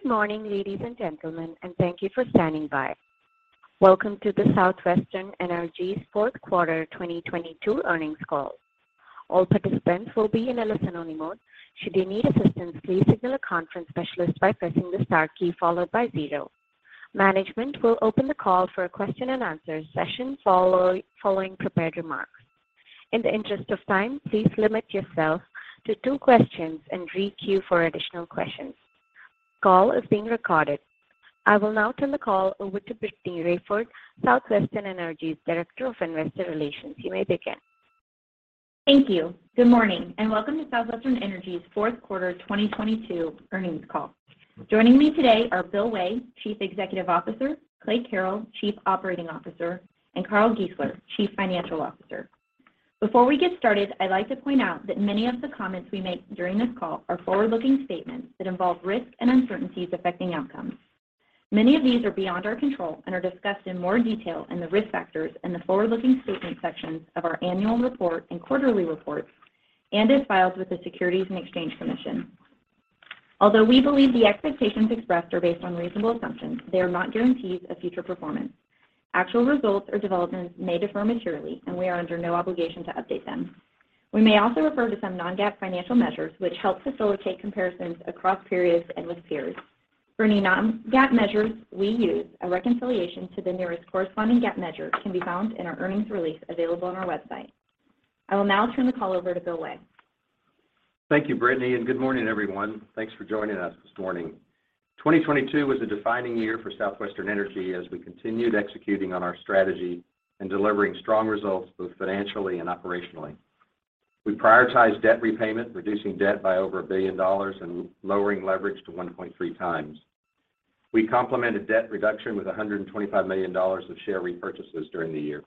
Good morning, ladies and gentlemen. Thank you for standing by. Welcome to the Southwestern Energy's fourth quarter 2022 earnings call. All participants will be in a listen-only mode. Should you need assistance, please signal a conference specialist by pressing the star key followed by zero. Management will open the call for a question-and-answer session following prepared remarks. In the interest of time, please limit yourself to two questions and re-queue for additional questions. Call is being recorded. I will now turn the call over to Brittany Raiford, Southwestern Energy's Director of Investor Relations. You may begin. Thank you. Good morning, welcome to Southwestern Energy's fourth quarter of 2022 earnings call. Joining me today are Bill Way, Chief Executive Officer, Clay Carrell, Chief Operating Officer, and Carl Giesler, Chief Financial Officer. Before we get started, I'd like to point out that many of the comments we make during this call are forward-looking statements that involve risks and uncertainties affecting outcomes. Many of these are beyond our control and are discussed in more detail in the Risk Factors and the Forward-Looking Statements sections of our annual report and quarterly reports, and as filed with the Securities and Exchange Commission. Although we believe the expectations expressed are based on reasonable assumptions, they are not guarantees of future performance. Actual results or developments may differ materially, and we are under no obligation to update them. We may also refer to some non-GAAP financial measures, which help facilitate comparisons across periods and with peers. For any non-GAAP measures we use, a reconciliation to the nearest corresponding GAAP measure can be found in our earnings release available on our website. I will now turn the call over to Bill Way. Thank you, Brittany, good morning, everyone. Thanks for joining us this morning. 2022 was a defining year for Southwestern Energy as we continued executing on our strategy and delivering strong results both financially and operationally. We prioritized debt repayment, reducing debt by over $1 billion and lowering leverage to 1.3x. We complemented debt reduction with $125 million of share repurchases during the year.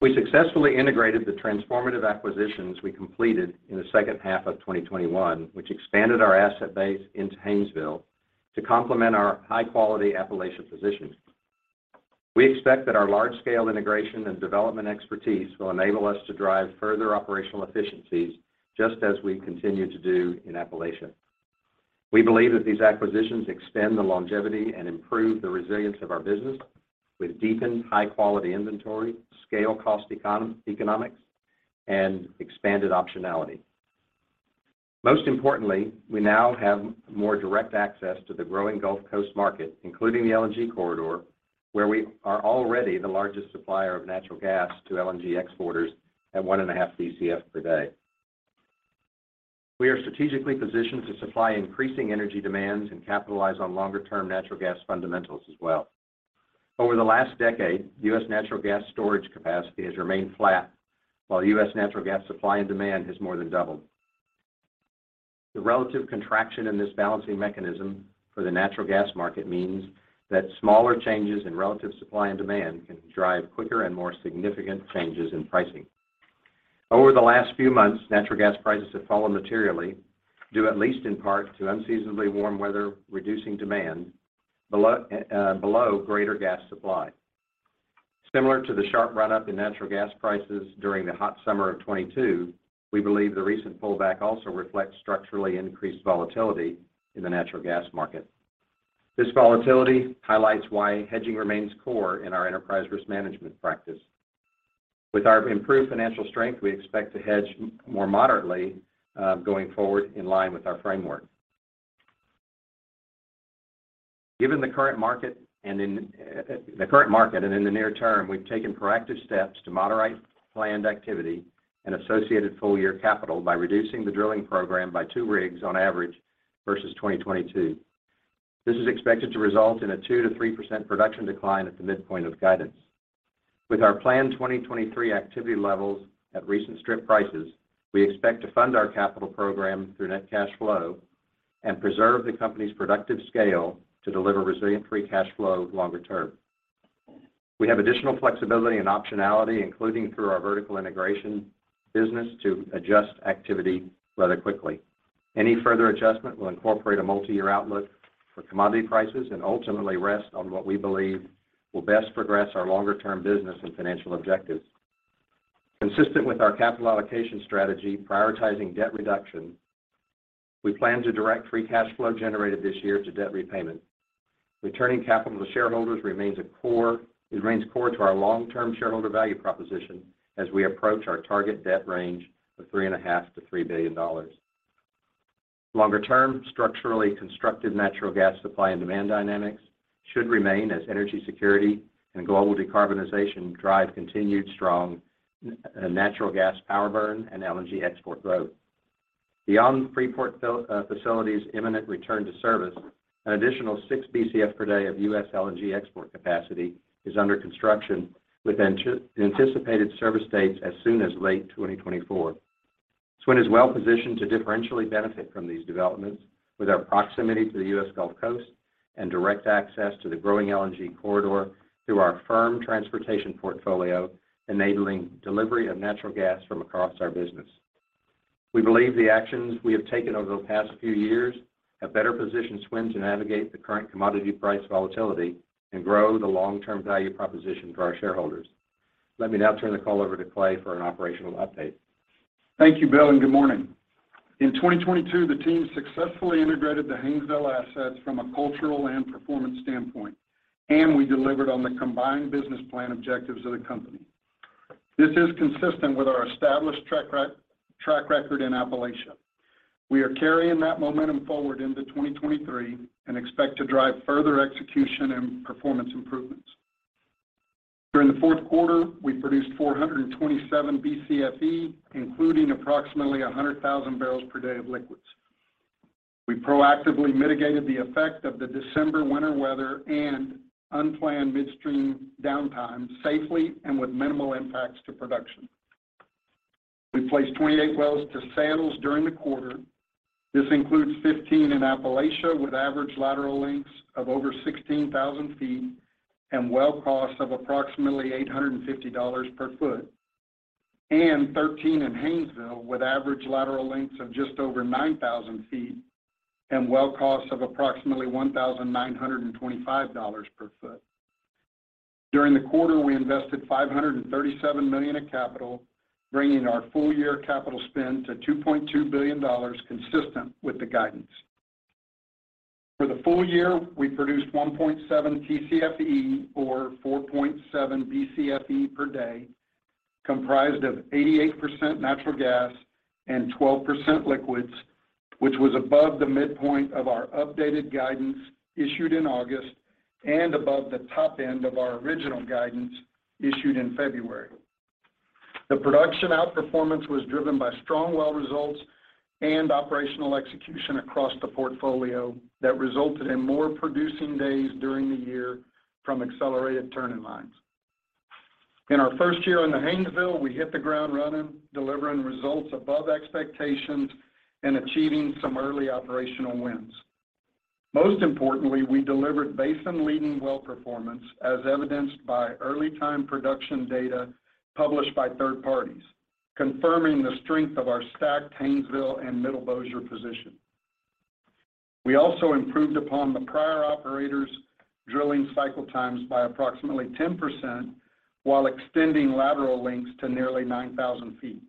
We successfully integrated the transformative acquisitions we completed in the second half of 2021, which expanded our asset base into Haynesville to complement our high-quality Appalachian position. We expect that our large-scale integration and development expertise will enable us to drive further operational efficiencies just as we continue to do in Appalachian. We believe that these acquisitions extend the longevity and improve the resilience of our business with deepened high-quality inventory, scale cost economics, and expanded optionality. Most importantly, we now have more direct access to the growing Gulf Coast market, including the LNG corridor, where we are already the largest supplier of natural gas to LNG exporters at 1.5 Bcf per day. We are strategically positioned to supply increasing energy demands and capitalize on longer-term natural gas fundamentals as well. Over the last decade, U.S. natural gas storage capacity has remained flat while U.S. natural gas supply and demand has more than doubled. The relative contraction in this balancing mechanism for the natural gas market means that smaller changes in relative supply and demand can drive quicker and more significant changes in pricing. Over the last few months, natural gas prices have fallen materially, due at least in part to unseasonably warm weather, reducing demand below greater gas supply. Similar to the sharp run-up in natural gas prices during the hot summer of 2022, we believe the recent pullback also reflects structurally increased volatility in the natural gas market. This volatility highlights why hedging remains core in our enterprise risk management practice. With our improved financial strength, we expect to hedge more moderately going forward in line with our framework. Given the current market and in the near term, we've taken proactive steps to moderate planned activity and associated full-year capital by reducing the drilling program by two rigs on average versus 2022. This is expected to result in a 2%-3% production decline at the midpoint of guidance. With our planned 2023 activity levels at recent strip prices, we expect to fund our capital program through net cash flow and preserve the company's productive scale to deliver resilient free cash flow longer term. We have additional flexibility and optionality, including through our vertical integration business, to adjust activity rather quickly. Any further adjustment will incorporate a multi-year outlook for commodity prices and ultimately rest on what we believe will best progress our longer-term business and financial objectives. Consistent with our capital allocation strategy, prioritizing debt reduction, we plan to direct free cash flow generated this year to debt repayment. Returning capital to shareholders remains core to our long-term shareholder value proposition as we approach our target debt range of $3.5 billion-$3 billion. Longer term, structurally constructive natural gas supply and demand dynamics should remain as energy security and global decarbonization drive continued strong natural gas power burn and LNG export growth. Beyond Freeport facility's imminent return to service, an additional 6 Bcf per day of U.S. LNG export capacity is under construction with anticipated service dates as soon as late 2024. SWN is well-positioned to differentially benefit from these developments with our proximity to the U.S. Gulf Coast and direct access to the growing LNG corridor through our firm transportation portfolio, enabling delivery of natural gas from across our business. We believe the actions we have taken over the past few years have better positioned SWN to navigate the current commodity price volatility and grow the long-term value proposition for our shareholders. Let me now turn the call over to Clay for an operational update. Thank you, Bill. Good morning. In 2022, the team successfully integrated the Haynesville assets from a cultural and performance standpoint, and we delivered on the combined business plan objectives of the company. This is consistent with our established track record in Appalachia. We are carrying that momentum forward into 2023 and expect to drive further execution and performance improvements. During the fourth quarter, we produced 427 Bcfe, including approximately 100,000 barrels per day of liquids. We proactively mitigated the effect of the December winter weather and unplanned midstream downtime safely and with minimal impacts to production. We placed 28 wells to sales during the quarter. This includes 15 in Appalachia with average lateral lengths of over 16,000 feet and well costs of approximately $850 per foot, and 13 in Haynesville with average lateral lengths of just over 9,000 feet and well costs of approximately $1,925 per foot. During the quarter, we invested $537 million of capital, bringing our full year capital spend to $2.2 billion consistent with the guidance. For the full year, we produced 1.7 Tcfe or 4.7 Bcfe per day, comprised of 88% natural gas and 12% liquids, which was above the midpoint of our updated guidance issued in August and above the top end of our original guidance issued in February. The production outperformance was driven by strong well results and operational execution across the portfolio that resulted in more producing days during the year from accelerated turning lines. In our first year in the Haynesville, we hit the ground running, delivering results above expectations and achieving some early operational wins. Most importantly, we delivered basin leading well performance as evidenced by early time production data published by third parties, confirming the strength of our stacked Haynesville and Middle Bossier position. We also improved upon the prior operators' drilling cycle times by approximately 10% while extending lateral lengths to nearly 9,000 feet.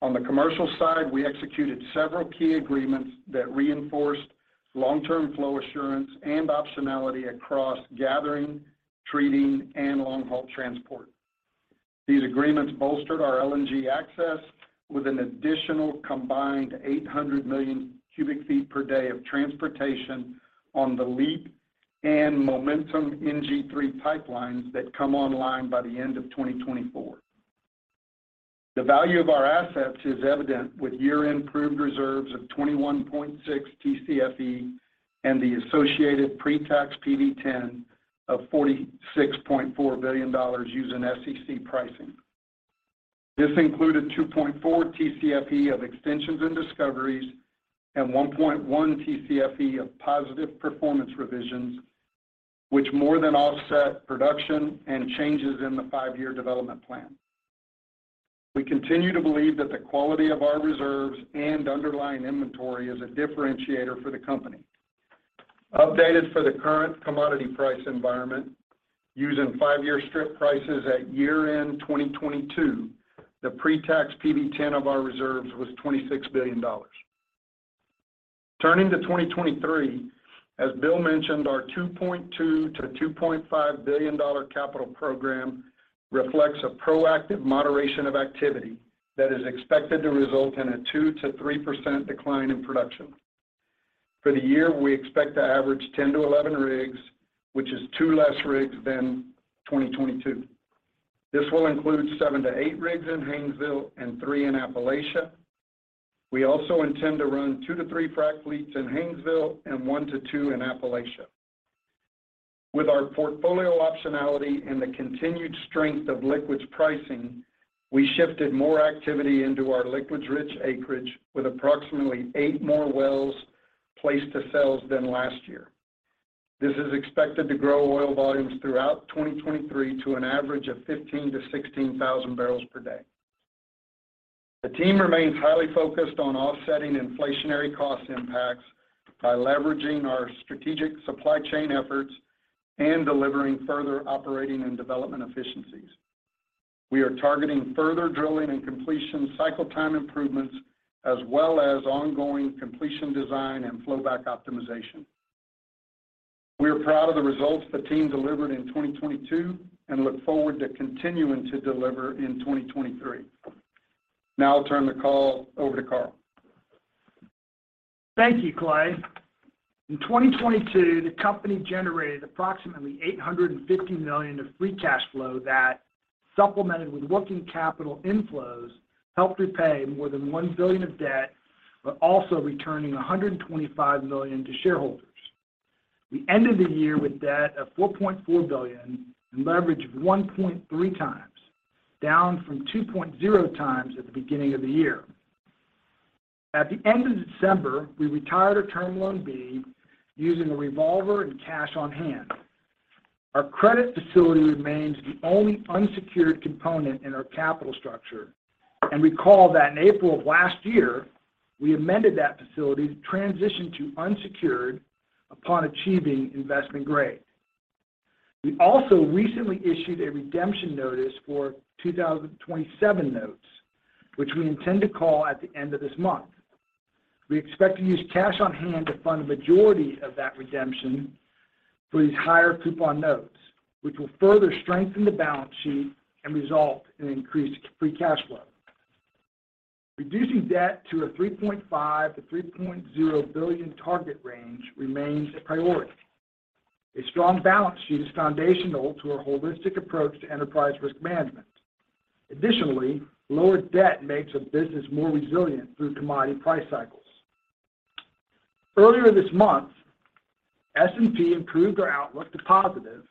On the commercial side, we executed several key agreements that reinforced long-term flow assurance and optionality across gathering, treating, and long-haul transport. These agreements bolstered our LNG access with an additional combined 800 million cubic feet per day of transportation on the LEAP and Momentum NG3 pipelines that come online by the end of 2024. The value of our assets is evident with year-end proved reserves of 21.6 Tcfe and the associated pre-tax PV-10 of $46.4 billion using SEC pricing. This included 2.4 Tcfe of extensions and discoveries and 1.1 Tcfe of positive performance revisions, which more than offset production and changes in the five-year development plan. We continue to believe that the quality of our reserves and underlying inventory is a differentiator for the company. Updated for the current commodity price environment using five-year strip prices at year-end 2022, the pre-tax PV-10 of our reserves was $26 billion. Turning to 2023, as Bill mentioned, our $2.2 billion-$2.5 billion capital program reflects a proactive moderation of activity that is expected to result in a 2%-3% decline in production. For the year, we expect to average 10-11 rigs, which is two less rigs than 2022. This will include seven to eight rigs in Haynesville and three in Appalachia. We also intend to run two to three frac fleets in Haynesville and and to two in Appalachia. With our portfolio optionality and the continued strength of liquids pricing, we shifted more activity into our liquids-rich acreage with approximately eight more wells placed to sales than last year. This is expected to grow oil volumes throughout 2023 to an average of 15,000-16,000 barrels per day. The team remains highly focused on offsetting inflationary cost impacts by leveraging our strategic supply chain efforts and delivering further operating and development efficiencies. We are targeting further drilling and completion cycle time improvements as well as ongoing completion design and flow back optimization. We are proud of the results the team delivered in 2022 and look forward to continuing to deliver in 2023. Now I'll turn the call over to Carl. Thank you, Clay. In 2022, the company generated approximately $850 million of free cash flow that, supplemented with working capital inflows, helped repay more than $1 billion of debt, also returning $125 million to shareholders. We ended the year with debt of $4.4 billion and leverage of 1.3x, down from 2.0x at the beginning of the year. At the end of December, we retired our Term Loan B using the revolver and cash on hand. Our credit facility remains the only unsecured component in our capital structure. Recall that in April of last year, we amended that facility to transition to unsecured upon achieving investment grade. We also recently issued a redemption notice for 2027 notes, which we intend to call at the end of this month. We expect to use cash on hand to fund the majority of that redemption for these higher coupon notes, which will further strengthen the balance sheet and result in increased free cash flow. Reducing debt to a $3.5 billion-$3.0 billion target range remains a priority. A strong balance sheet is foundational to our holistic approach to enterprise risk management. Lower debt makes a business more resilient through commodity price cycles. Earlier this month, S&P improved our outlook to positive.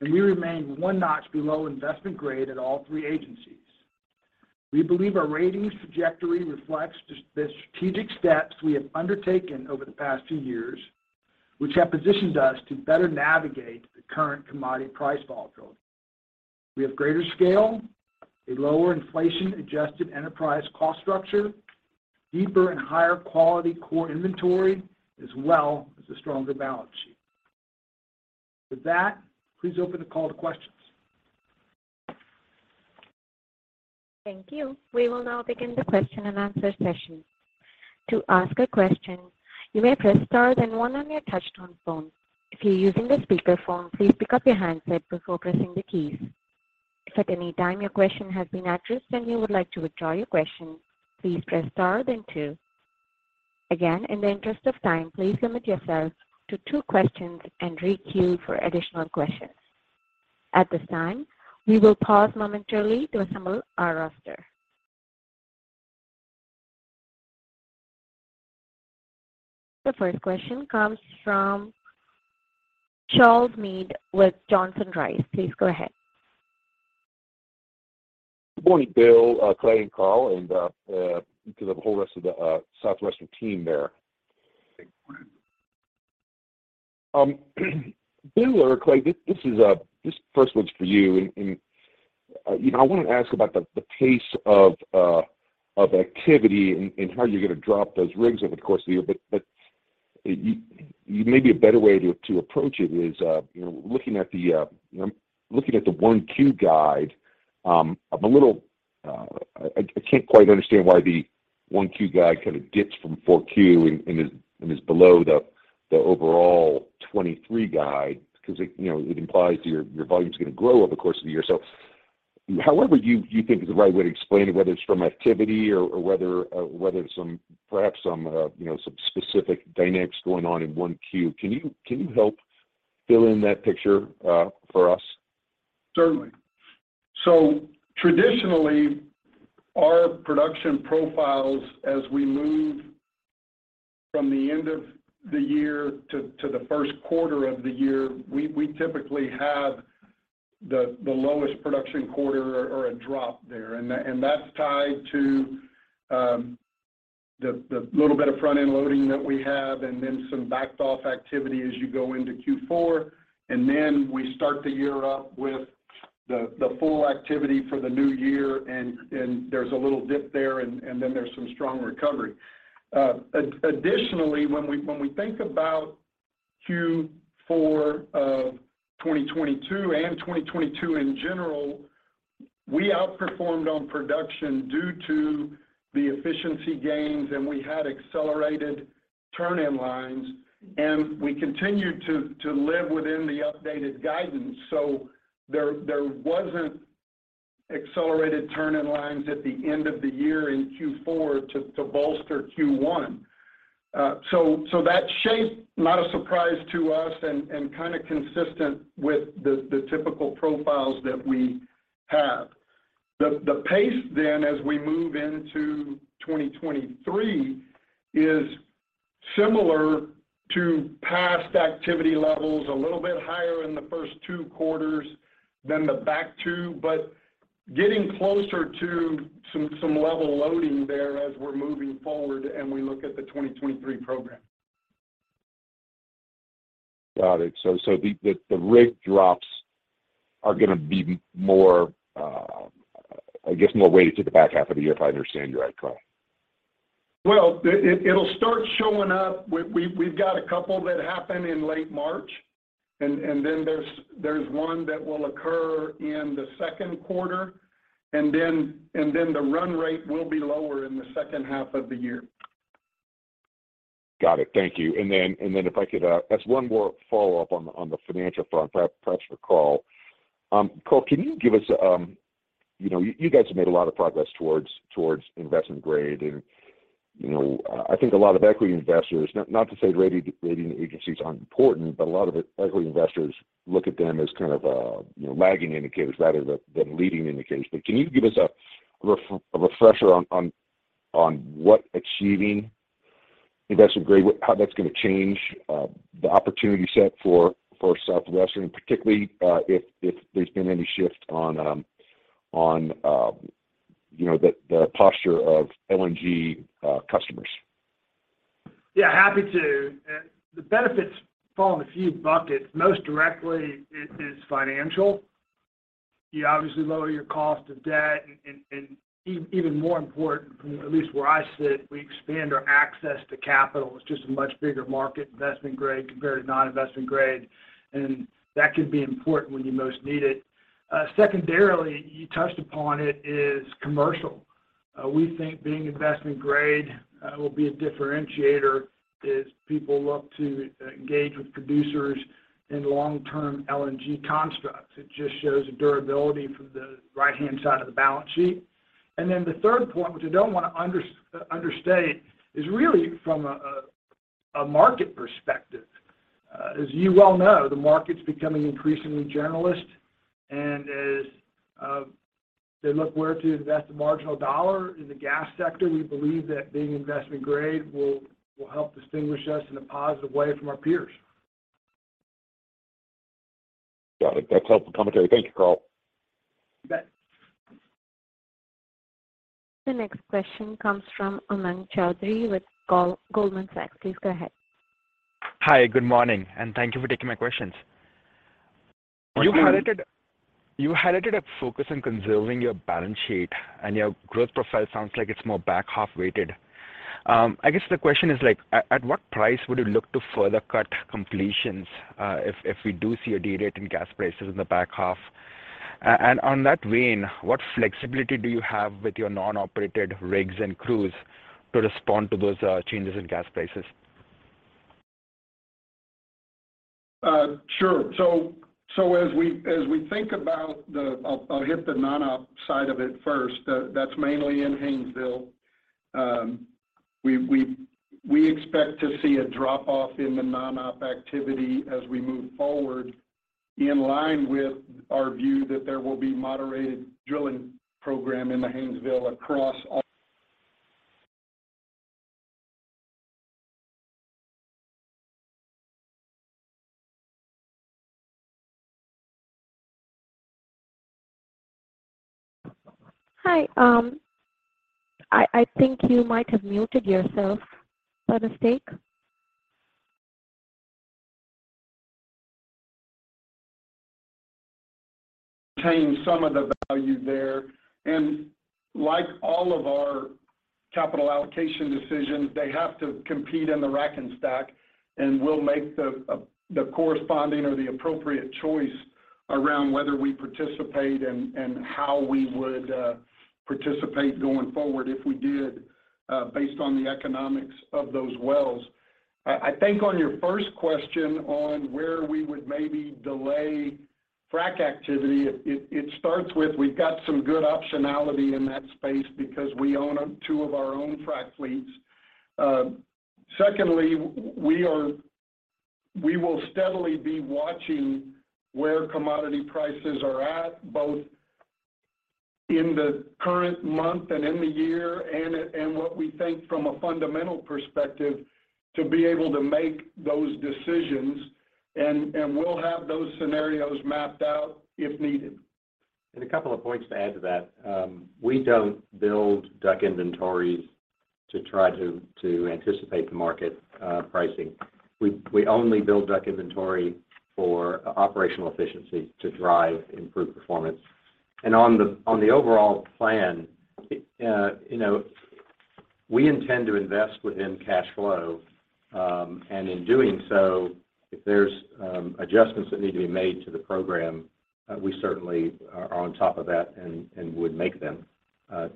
We remain one notch below investment grade at all three agencies. We believe our ratings trajectory reflects the strategic steps we have undertaken over the past two years, which have positioned us to better navigate the current commodity price volatility. We have greater scale, a lower inflation-adjusted enterprise cost structure, deeper and higher quality core inventory, as well as a stronger balance sheet. With that, please open the call to questions. Thank you. We will now begin the question-and-answer session. To ask a question, you may press star then one on your touchtone phone. If you're using a speakerphone, please pick up your handset before pressing the keys. If at any time your question has been addressed, and you would like to withdraw your question, please press star then two. Again, in the interest of time, please limit yourself to two questions and re-queue for additional questions. At this time, we will pause momentarily to assemble our roster. The first question comes from Charles Meade with Johnson Rice. Please go ahead. Good morning, Bill, Clay, and Carl, and to the whole rest of the Southwestern team there. Good morning. Bill or Clay, this is this first one's for you. you know, I wanna ask about the pace of activity and how you're gonna drop those rigs over the course of the year. maybe a better way to approach it is, you know, looking at the, you know, looking at the 1Q guide, I can't quite understand why the 1Q guide kind of dips from 4Q and is below the overall 2023 guide because it, you know, it implies your volume's gonna grow over the course of the year. However you think is the right way to explain it, whether it's from activity or whether perhaps some, you know, specific dynamics going on in 1Q. Can you help fill in that picture for us? Certainly. Traditionally, our production profiles as we move from the end of the year to the first quarter of the year, we typically have the lowest production quarter or a drop there. That, and that's tied to the little bit of front-end loading that we have and then some backed-off activity as you go into Q4. Then we start the year up with the full activity for the new year and there's a little dip there and then there's some strong recovery. Additionally, when we think about Q4 of 2022 and 2022 in general, we outperformed on production due to the efficiency gains and we had accelerated turn-in lines, and we continued to live within the updated guidance. There wasn't accelerated turn-in lines at the end of the year in Q4 to bolster Q1. That shape, not a surprise to us and kinda consistent with the typical profiles that we have. The pace then as we move into 2023 is similar to past activity levels, a little bit higher in the first two quarters than the back two, but getting closer to some level loading there as we're moving forward and we look at the 2023 program. Got it. The rig drops are gonna be more, I guess, more weighted to the back half of the year if I understand you right, Clay. Well, it'll start showing up. We've got a couple that happen in late March, then there's one that will occur in the second quarter. The run rate will be lower in the second half of the year. Got it. Thank you. If I could ask one more follow-up on the financial front, perhaps for Carl. Carl, can you give us, You know, you guys have made a lot of progress towards investment grade. You know, I think a lot of equity investors, not to say rating agencies aren't important, but a lot of equity investors look at them as kind of, you know, lagging indicators rather than leading indicators. Can you give us a refresher on what achieving investment grade, how that's gonna change the opportunity set for Southwestern, particularly if there's been any shift on, you know, the posture of LNG customers? Yeah, happy to. The benefits fall in a few buckets. Most directly is financial. You obviously lower your cost of debt and even more important, from at least where I sit, we expand our access to capital. It's just a much bigger market, investment grade compared to non-investment grade. That can be important when you most need it. Secondarily, you touched upon it, is commercial. We think being investment grade will be a differentiator as people look to engage with producers in long-term LNG constructs. It just shows a durability from the right-hand side of the balance sheet. Then the third point, which I don't wanna understate, is really from a market perspective. As you well know, the market's becoming increasingly generalist, and as they look where to invest the marginal dollar in the gas sector, we believe that being investment grade will help distinguish us in a positive way from our peers. Got it. That's helpful commentary. Thank you, Carl. You bet. The next question comes from Umang Choudhary with Goldman Sachs. Please go ahead. Hi, good morning, and thank you for taking my questions. Good morning. You highlighted a focus on conserving your balance sheet, and your growth profile sounds like it's more back half weighted. I guess the question is like, at what price would you look to further cut completions, if we do see a derate in gas prices in the back half? On that vein, what flexibility do you have with your non-operated rigs and crews to respond to those changes in gas prices? Sure. As we think about, I'll hit the non-op side of it first. That's mainly in Haynesville. We expect to see a drop-off in the non-op activity as we move forward in line with our view that there will be moderated drilling program in the Haynesville. Hi. I think you might have muted yourself by mistake. -change some of the value there. Like all of our capital allocation decisions, they have to compete in the rack and stack, and we'll make the corresponding or the appropriate choice around whether we participate and how we would participate going forward if we did, based on the economics of those wells. I think on your first question on where we would maybe delay frac activity, it starts with we've got some good optionality in that space because we own two of our own frac fleets. Secondly, we will steadily be watching where commodity prices are at, both in the current month and in the year, and what we think from a fundamental perspective to be able to make those decisions and we'll have those scenarios mapped out if needed. A couple of points to add to that. We don't build DUC inventories to try to anticipate the market pricing. We only build DUC inventory for operational efficiency to drive improved performance. On the overall plan, you know, we intend to invest within cash flow, and in doing so, if there's adjustments that need to be made to the program, we certainly are on top of that and would make them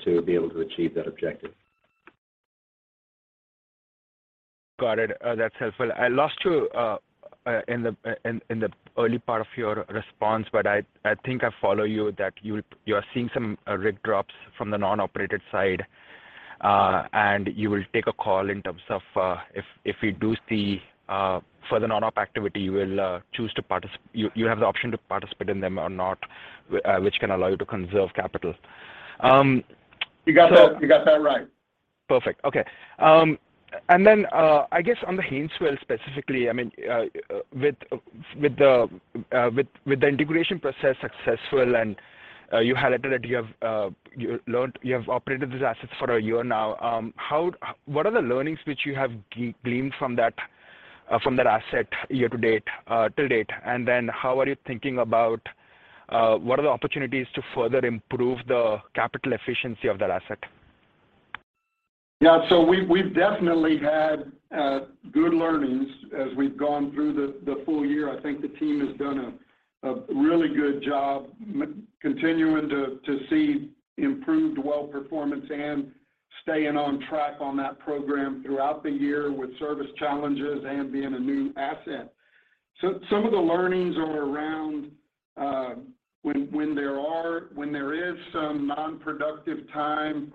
to be able to achieve that objective. Got it. That's helpful. I lost you in the early part of your response, but I think I follow you that you are seeing some rig drops from the non-operated side, and you will take a call in terms of if you do see further non-op activity, you have the option to participate in them or not, which can allow you to conserve capital. You got that, you got that right. Perfect. Okay. I guess on the Haynesville specifically, I mean, with the integration process successful, you highlighted that you have operated these assets for a year now, what are the learnings which you have gleaned from that asset year to date, till date? How are you thinking about what are the opportunities to further improve the capital efficiency of that asset? Yeah. We've definitely had good learnings as we've gone through the full year. I think the team has done a really good job continuing to see improved well performance and staying on track on that program throughout the year with service challenges and being a new asset. Some of the learnings are around when there is some non-productive time,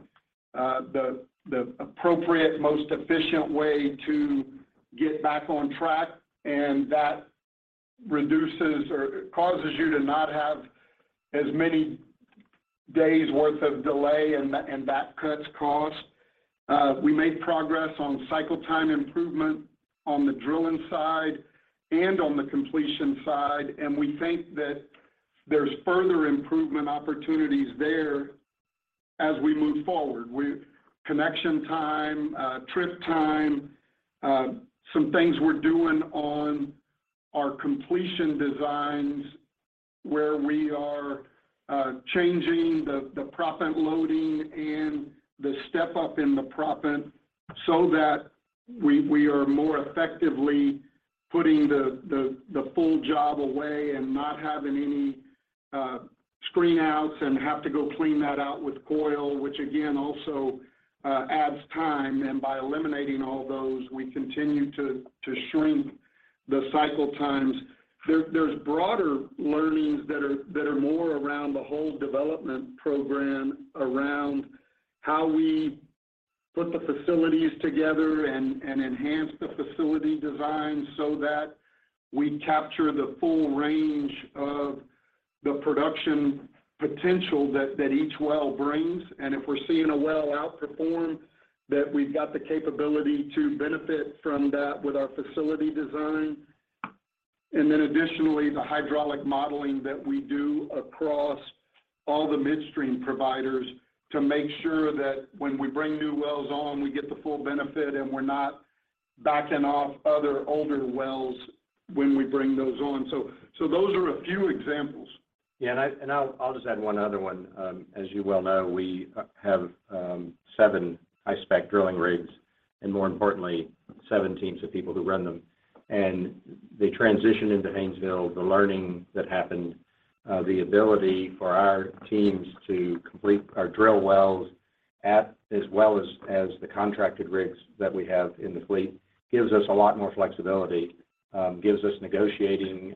the appropriate, most efficient way to get back on track, and that reduces or causes you to not have as many days worth of delay and that cuts cost. We made progress on cycle time improvement on the drilling side and on the completion side, and we think that there's further improvement opportunities there. As we move forward with connection time, trip time, some things we're doing on our completion designs where we are changing the proppant loading and the step-up in the proppant so that we are more effectively putting the full job away and not having any screen outs and have to go clean that out with coil, which again, also adds time. By eliminating all those, we continue to shrink the cycle times. There's broader learnings that are more around the whole development program around how we put the facilities together and enhance the facility design so that we capture the full range of the production potential that each well brings. If we're seeing a well outperform, that we've got the capability to benefit from that with our facility design. Additionally, the hydraulic modeling that we do across all the midstream providers to make sure that when we bring new wells on, we get the full benefit, and we're not backing off other older wells when we bring those on. Those are a few examples. I'll just add one other one. As you well know, we have seven high-spec drilling rigs, and more importantly, seven teams of people who run them. The transition into Haynesville, the learning that happened, the ability for our teams to complete or drill wells as well as the contracted rigs that we have in the fleet, gives us a lot more flexibility, gives us negotiating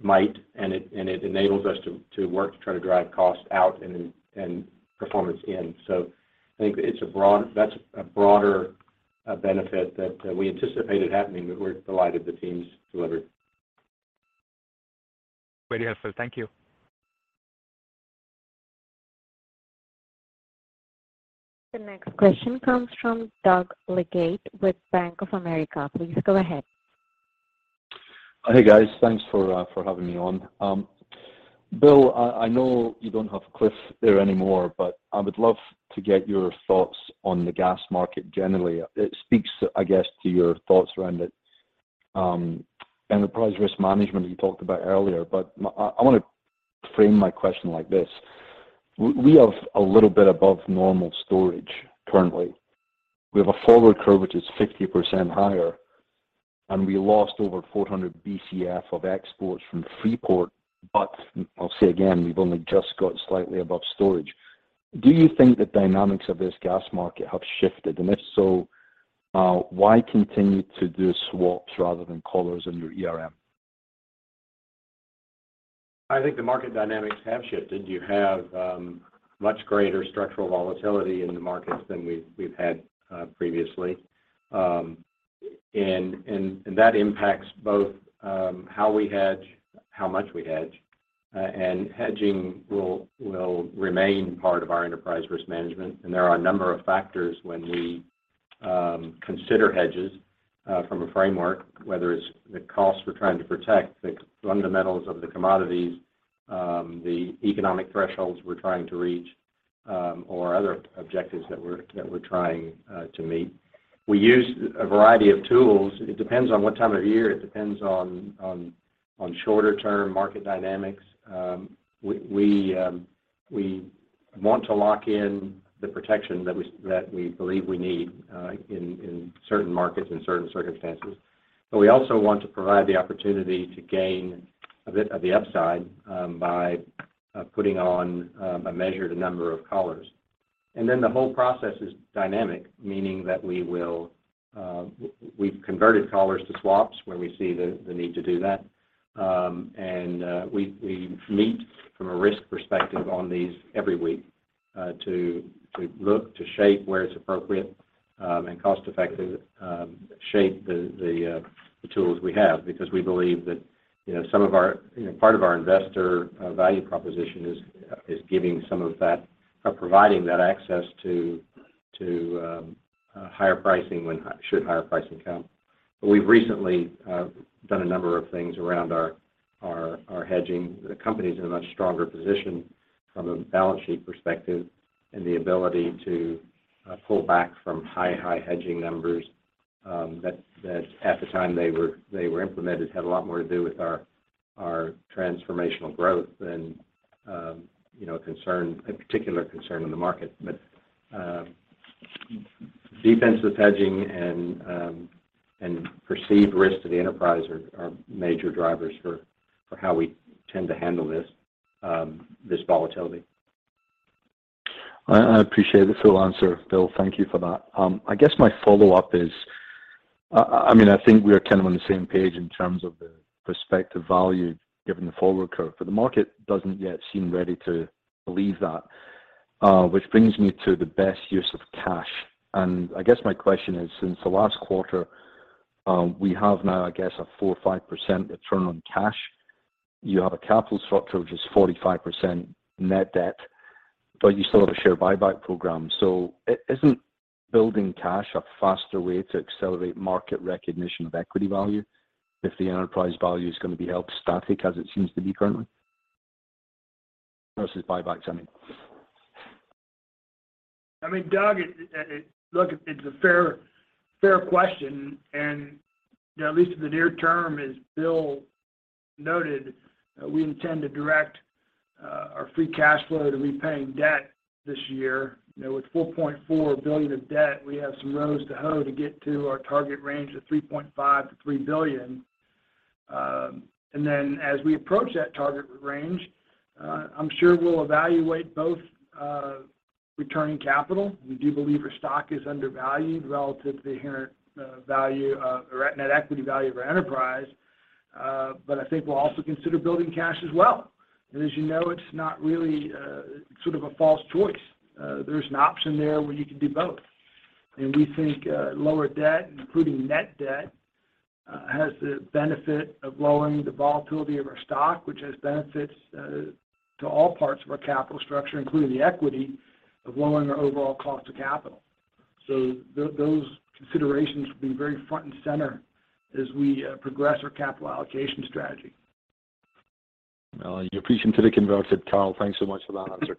might, and it enables us to work to try to drive costs out and performance in. I think that's a broader benefit that we anticipated happening, but we're delighted the teams delivered. Very helpful. Thank you. The next question comes from Doug Leggate with Bank of America. Please go ahead. Hey, guys. Thanks for for having me on. Bill, I know you don't have Cliff there anymore, but I would love to get your thoughts on the gas market generally. It speaks, I guess, to your thoughts around it, enterprise risk management you talked about earlier. I wanna frame my question like this. We have a little bit above normal storage currently. We have a forward curve, which is 50% higher, and we lost over 400 Bcf of exports from Freeport. I'll say again, we've only just got slightly above storage. Do you think the dynamics of this gas market have shifted? If so, why continue to do swaps rather than collars in your ERMS? I think the market dynamics have shifted. You have much greater structural volatility in the markets than we've had previously. That impacts both how we hedge, how much we hedge. Hedging will remain part of our enterprise risk management. There are a number of factors when we consider hedges from a framework, whether it's the cost we're trying to protect, the fundamentals of the commodities, the economic thresholds we're trying to reach, or other objectives that we're trying to meet. We use a variety of tools. It depends on what time of year. It depends on shorter-term market dynamics. We want to lock in the protection that we believe we need in certain markets, in certain circumstances. We also want to provide the opportunity to gain a bit of the upside, by putting on a measured number of collars. The whole process is dynamic, meaning that we've converted collars to swaps where we see the need to do that. We meet from a risk perspective on these every week, to look, to shape where it's appropriate and cost-effective, shape the tools we have because we believe that, you know, some of our, you know, part of our investor value proposition is giving some of that or providing that access to higher pricing should higher pricing come. We've recently done a number of things around our hedging. The company's in a much stronger position from a balance sheet perspective and the ability to pull back from high hedging numbers, that at the time they were implemented, had a lot more to do with our transformational growth than, you know, a particular concern in the market. Defensive hedging and perceived risk to the enterprise are major drivers for how we tend to handle this volatility. I appreciate the full answer, Bill. Thank you for that. I guess my follow-up is, I mean, I think we're kind of on the same page in terms of the respective value given the forward curve, but the market doesn't yet seem ready to believe that. Which brings me to the best use of cash. I guess my question is, since the last quarter, we have now, I guess, a 4% or 5% return on cash. You have a capital structure, which is 45% net debt. You still have a share buyback program. Isn't building cash a faster way to accelerate market recognition of equity value if the enterprise value is gonna be held static as it seems to be currently versus buybacks, I mean? I mean, Doug, look, it's a fair question, you know, at least in the near term, as Bill noted, we intend to direct our free cash flow to repaying debt this year. You know, with $4.4 billion of debt, we have some rows to hoe to get to our target range of $3.5 billion-$3 billion. As we approach that target range, I'm sure we'll evaluate both returning capital. We do believe our stock is undervalued relative to the inherent or net equity value of our enterprise, I think we'll also consider building cash as well. As you know, it's not really sort of a false choice. There's an option there where you can do both. We think, lower debt, including net debt, has the benefit of lowering the volatility of our stock, which has benefits, to all parts of our capital structure, including the equity of lowering our overall cost of capital. Those considerations will be very front and center as we progress our capital allocation strategy. Well, you're preaching to the converted, Carl. Thanks so much for that answer.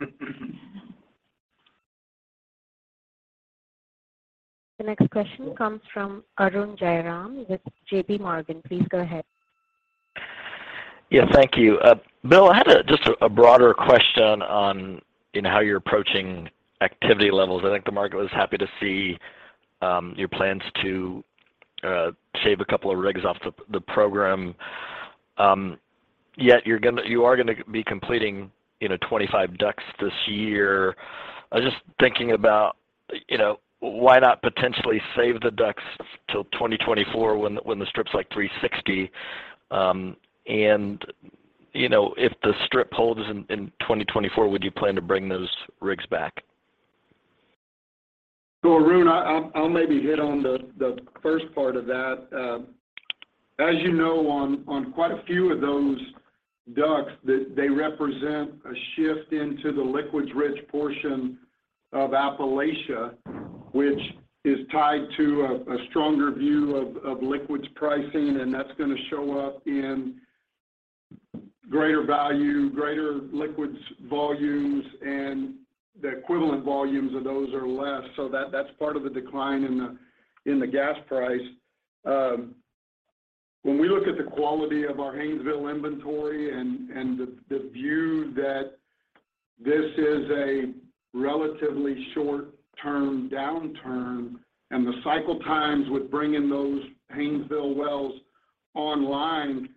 The next question comes from Arun Jayaram with JPMorgan. Please go ahead. Yeah, thank you. Bill, I had just a broader question on, you know, how you're approaching activity levels. I think the market was happy to see your plans to shave a couple of rigs off the program. Yet you are gonna be completing, you know, 25 DUCs this year. I was just thinking about, you know, why not potentially save the DUCs till 2024 when the, when the strip's like $3.60, and, you know, if the strip holds in 2024, would you plan to bring those rigs back? Arun, I'll maybe hit on the first part of that. As you know, on quite a few of those DUCs that they represent a shift into the liquids rich portion of Appalachia, which is tied to a stronger view of liquids pricing, and that's gonna show up in greater value, greater liquids volumes, and the equivalent volumes of those are less. That's part of the decline in the gas price. When we look at the quality of our Haynesville inventory and the view that this is a relatively short-term downturn and the cycle times with bringing those Haynesville wells online,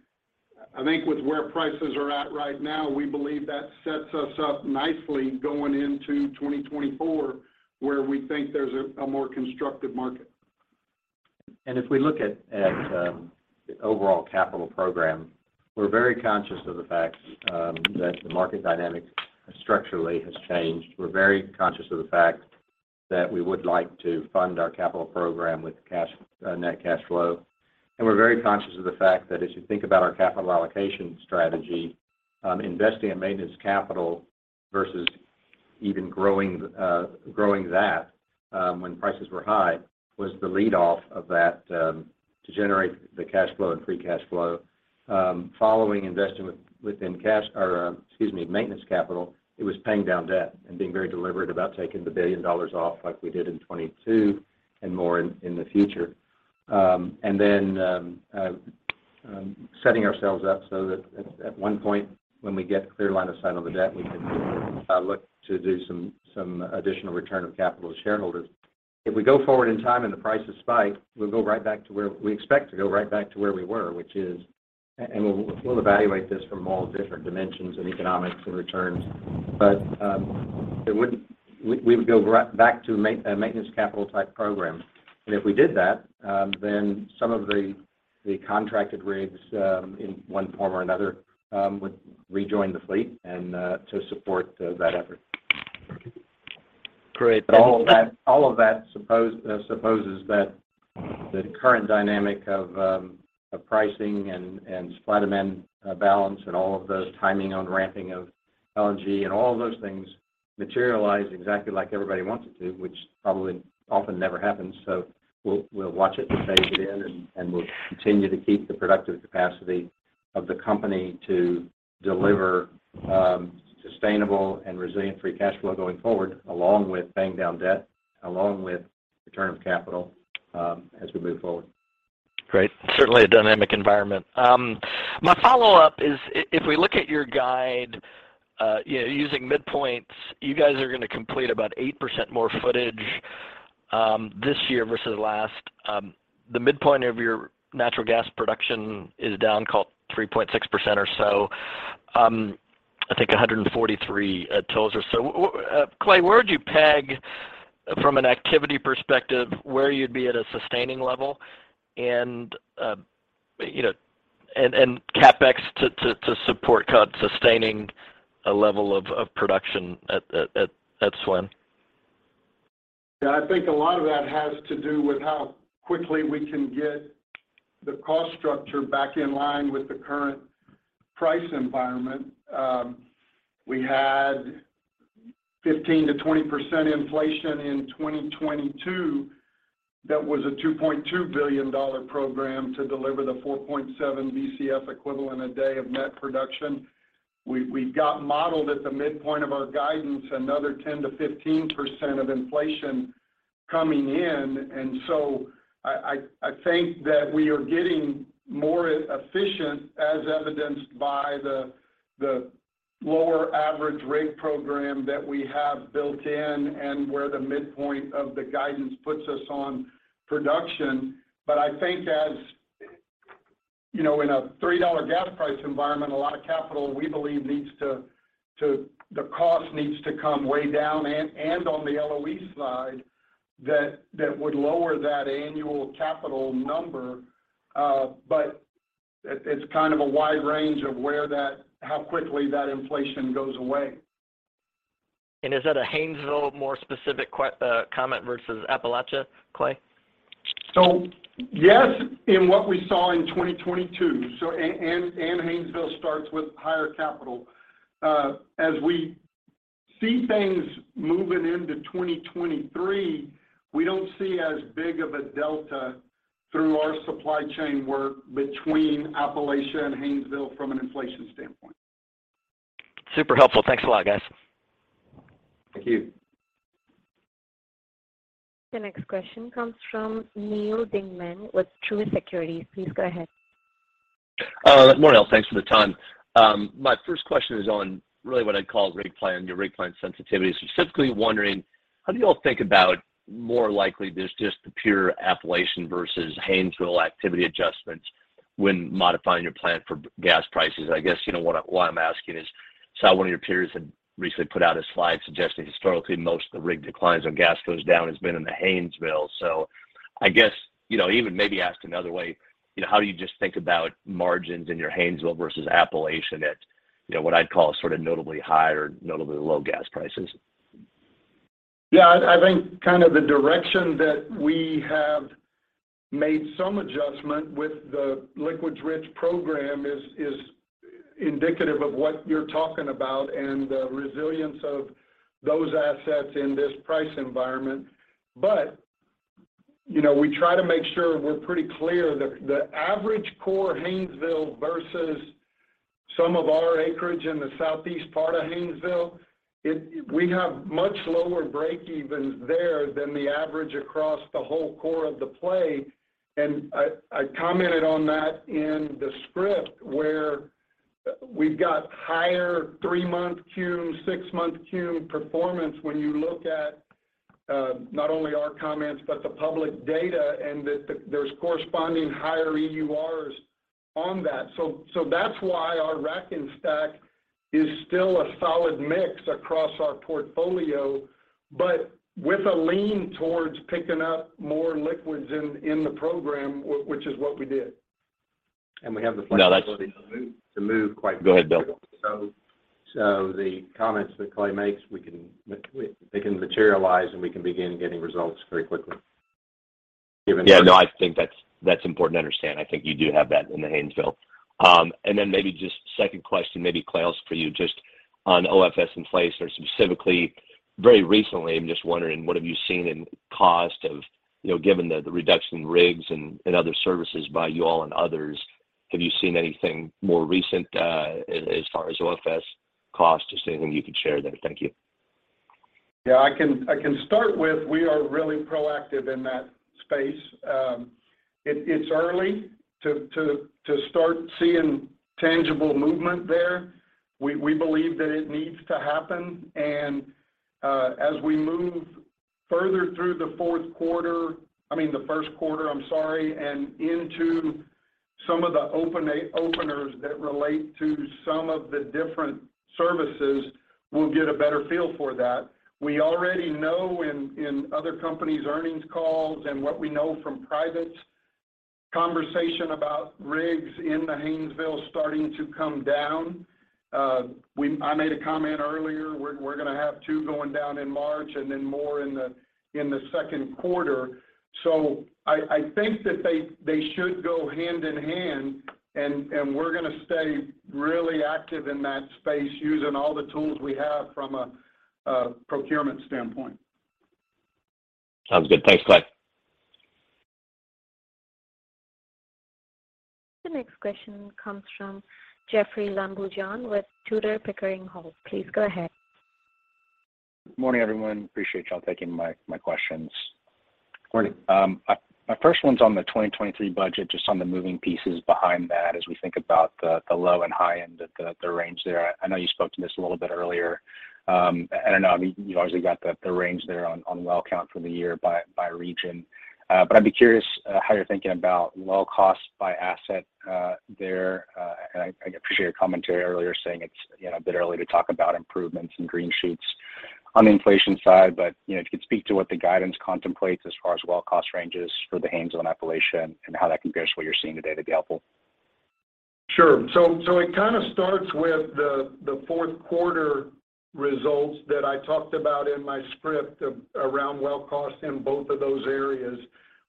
I think with where prices are at right now, we believe that sets us up nicely going into 2024, where we think there's a more constructive market. If we look at the overall capital program, we're very conscious of the fact that the market dynamic structurally has changed. We're very conscious of the fact that we would like to fund our capital program with cash, net cash flow. We're very conscious of the fact that as you think about our capital allocation strategy, investing in maintenance capital versus even growing that, when prices were high was the lead off of that, to generate the cash flow and free cash flow. Following investment within cash or, excuse me, maintenance capital, it was paying down debt and being very deliberate about taking the $1 billion off like we did in 2022 and more in the future. Setting ourselves up so that at one point when we get clear line of sight on the debt, we can look to do some additional return of capital to shareholders. If we go forward in time and the prices spike, we expect to go right back to where we were, which is. We'll evaluate this from all different dimensions and economics and returns. We would go back to a maintenance capital type program. If we did that, then some of the contracted rigs, in one form or another, would rejoin the fleet to support that effort. Great. All of that supposes that the current dynamic of pricing and supply demand balance and all of those timing on ramping of LNG and all of those things materialize exactly like everybody wants it to, which probably often never happens. We'll watch it and take it in, and we'll continue to keep the productive capacity of the company to deliver sustainable and resilient free cash flow going forward, along with paying down debt, along with return of capital as we move forward. Great. Certainly a dynamic environment. My follow-up is if we look at your guide, you know, using midpoints, you guys are gonna complete about 8% more footage this year versus last. The midpoint of your natural gas production is down call it 3.6% or so. I think 143 totals or so. Clay, where would you peg from an activity perspective, where you'd be at a sustaining level and, you know, and CapEx to support kind of sustaining a level of production at SWN? Yeah, I think a lot of that has to do with how quickly we can get the cost structure back in line with the current price environment. We had 15%-20% inflation in 2022 that was a $2.2 billion program to deliver the 4.7 Bcfe a day of net production. We've got modeled at the midpoint of our guidance another 10%-15% of inflation coming in. I think that we are getting more efficient as evidenced by the lower average rig program that we have built in and where the midpoint of the guidance puts us on production. I think as, you know, in a $3 gas price environment, a lot of capital we believe needs to the cost needs to come way down and on the LOE slide that would lower that annual capital number. It's kind of a wide range of where that how quickly that inflation goes away. Is that a Haynesville more specific comment versus Appalachia, Clay? Yes, in what we saw in 2022. Haynesville starts with higher capital. As we see things moving into 2023, we don't see as big of a delta through our supply chain work between Appalachia and Haynesville from an inflation standpoint. Super helpful. Thanks a lot, guys. Thank you. The next question comes from Neal Dingmann with Truist Securities. Please go ahead. Good morning, all. Thanks for the time. My first question is on really what I'd call rig plan, your rig plan sensitivity. Specifically wondering how do you all think about more likely there's just the pure Appalachian versus Haynesville activity adjustments when modifying your plan for gas prices? I guess you know what I why I'm asking is saw one of your peers had recently put out a slide suggesting historically most of the rig declines when gas goes down has been in the Haynesville. I guess, you know, even maybe asked another way, you know, how do you just think about margins in your Haynesville versus Appalachian at, you know, what I'd call sort of notably high or notably low gas prices? Yeah. I think kind of the direction that we have made some adjustment with the liquids rich program is indicative of what you're talking about and the resilience of those assets in this price environment. You know, we try to make sure we're pretty clear the average core Haynesville versus some of our acreage in the southeast part of Haynesville, we have much lower break evens there than the average across the whole core of the play. I commented on that in the script where we've got higher three-month Cum, six-month Cum performance when you look at not only our comments, but the public data, and there's corresponding higher EURs on that. That's why our rack and stack is still a solid mix across our portfolio, but with a lean towards picking up more liquids in the program, which is what we did. We have the flexibility. No, that's- to move quite quickly. Go ahead, Bill. The comments that Clay makes, they can materialize, and we can begin getting results very quickly given. Yeah, no, I think that's important to understand. I think you do have that in the Haynesville. Then maybe just second question maybe, Clay, also for you just on OFS in place or specifically very recently, I'm just wondering what have you seen in cost of, you know, given the reduction in rigs and other services by you all and others. Have you seen anything more recent as far as OFS cost? Just anything you could share there. Thank you. Yeah, I can start with we are really proactive in that space. It's early to start seeing tangible movement there. We believe that it needs to happen. As we move further through the fourth quarter, I mean, the first quarter, I'm sorry, and into some of the open openers that relate to some of the different services, we'll get a better feel for that. We already know in other companies' earnings calls and what we know from privates conversation about rigs in the Haynesville starting to come down. I made a comment earlier, we're gonna have two going down in March and then more in the second quarter. I think that they should go hand in hand and we're gonna stay really active in that space using all the tools we have from a procurement standpoint. Sounds good. Thanks, Clay. The next question comes from Jeoffrey Lambujon with Tudor, Pickering, Holt. Please go ahead. Morning, everyone. Appreciate y'all taking my questions. Morning. My first one's on the 2023 budget, just on the moving pieces behind that as we think about the low and high end of the range there. I know you spoke to this a little bit earlier. I know, I mean, you've obviously got the range there on well count for the year by region. I'd be curious, how you're thinking about well costs by asset there. I appreciate your commentary earlier saying it's, you know, a bit early to talk about improvements and green shoots on the inflation side. You know, if you could speak to what the guidance contemplates as far as well cost ranges for the Haynesville and Appalachia and how that compares to what you're seeing today, that'd be helpful. Sure. It kind of starts with the fourth quarter results that I talked about in my script around well costs in both of those areas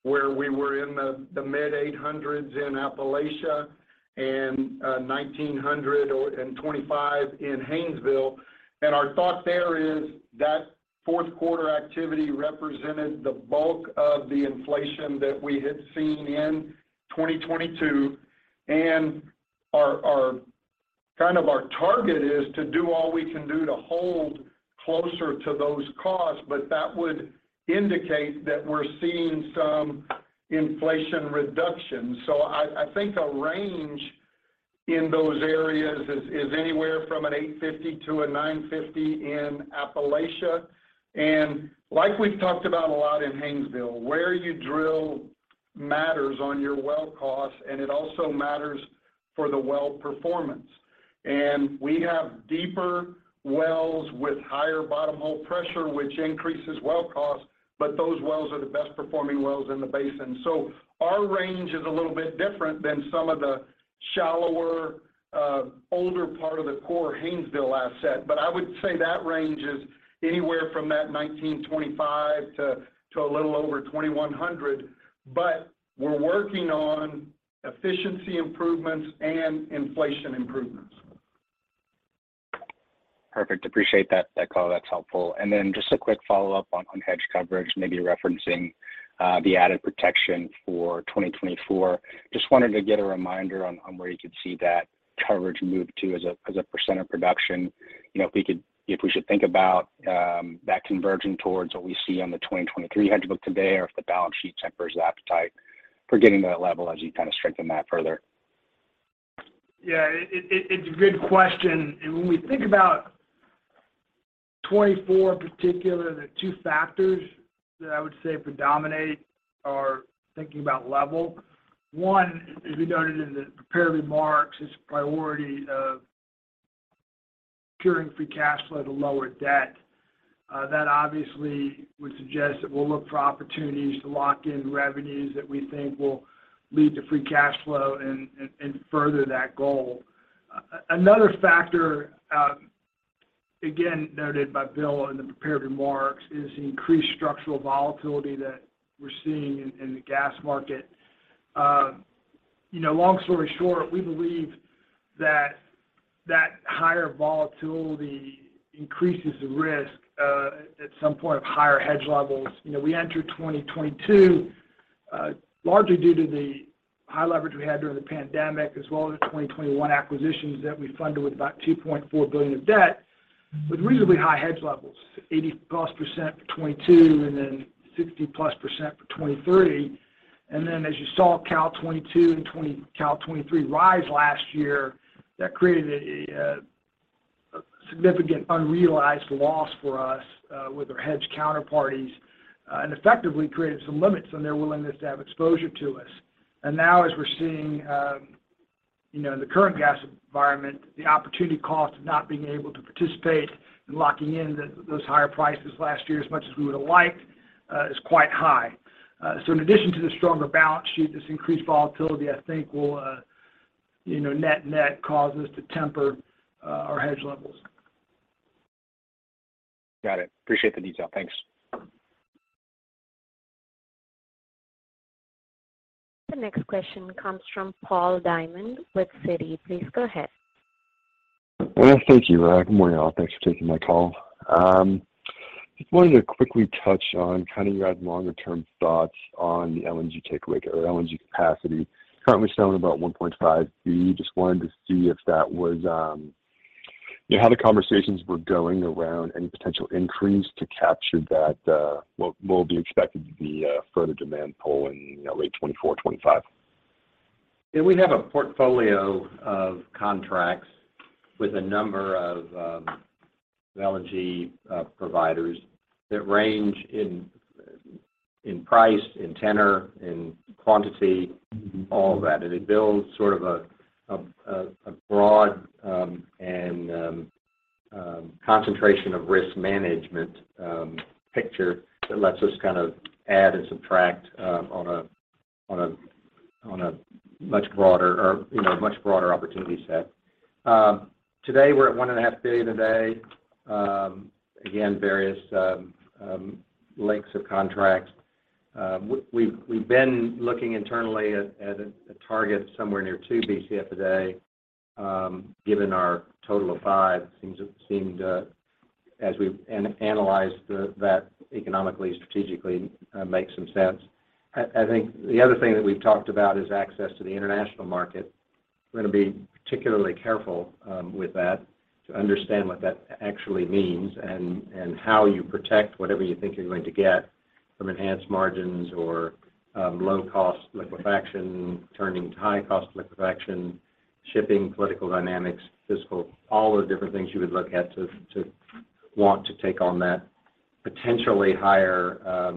where we were in the mid-$800s in Appalachia and $1,925 in Haynesville. Our thought there is that fourth quarter activity represented the bulk of the inflation that we had seen in 2022. Our kind of our target is to do all we can do to hold closer to those costs, but that would indicate that we're seeing some inflation reduction. I think a range in those areas is anywhere from $850-$950 in Appalachia. Like we've talked about a lot in Haynesville, where you drill matters on your well costs, and it also matters for the well performance. We have deeper wells with higher bottom hole pressure, which increases well costs, but those wells are the best performing wells in the basin. Our range is a little bit different than some of the shallower, older part of the core Haynesville asset. I would say that range is anywhere from that $1,925 to a little over $2,100. We're working on efficiency improvements and inflation improvements. Perfect. Appreciate that Carl, that's helpful. Then just a quick follow-up on hedge coverage, maybe referencing the added protection for 2024. Just wanted to get a reminder on where you could see that coverage move to as a percent of production. You know, if we should think about that converging towards what we see on the 2023 hedge book today, or if the balance sheet tempers the appetite for getting to that level as you kind of strengthen that further. Yeah. It's a good question. When we think about 2024 in particular, the two factors that I would say predominate are thinking about level. One, as we noted in the prepared remarks, is priority of securing free cash flow to lower debt. That obviously would suggest that we'll look for opportunities to lock in revenues that we think will lead to free cash flow and further that goal. Another factor, again, noted by Bill in the prepared remarks, is the increased structural volatility that we're seeing in the gas market. You know, long story short, we believe that higher volatility increases the risk at some point of higher hedge levels. You know, we entered 2022, largely due to the high leverage we had during the pandemic, as well as the 2021 acquisitions that we funded with about $2.4 billion of debt with reasonably high hedge levels, 80+% for 2022, then 60+% for 2030. As you saw Cal 22 and Cal 23 rise last year, that created a significant unrealized loss for us with our hedge counterparties, and effectively created some limits on their willingness to have exposure to us. Now as we're seeing, you know, in the current gas environment, the opportunity cost of not being able to participate in locking in those higher prices last year as much as we would've liked, is quite high. In addition to the stronger balance sheet, this increased volatility I think will, you know, net net cause us to temper, our hedge levels. Got it. Appreciate the detail. Thanks. The next question comes from Paul Diamond with Citi. Please go ahead. Yes, thank you. Good morning, all. Thanks for taking my call. Just wanted to quickly touch on kind of your guys' longer term thoughts on the LNG take away or LNG capacity currently selling about 1.5 Bcf/d. Just wanted to see if that was, you know, how the conversations were going around any potential increase to capture that, what will be expected to be further demand pull in, you know, late 2024, 2025. Yeah. We have a portfolio of contracts with a number of LNG providers that range in price, in tenor, in quantity, all of that. It builds sort of a broad and concentration of risk management picture that lets us kind of add and subtract on a much broader or, you know, much broader opportunity set. Today we're at 1.5 billion a day. Again, various lengths of contracts. We've been looking internally at a target somewhere near 2 Bcf a day, given our total of 5 Bcf/d seems, seemed, as we've analyzed that economically, strategically, makes some sense. I think the other thing that we've talked about is access to the international market. We're gonna be particularly careful with that to understand what that actually means and how you protect whatever you think you're going to get from enhanced margins or low cost liquefaction turning to high cost liquefaction, shipping, political dynamics, fiscal, all the different things you would look at to want to take on that potentially higher